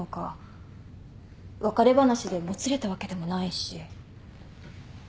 別れ話でもつれたわけでもないし。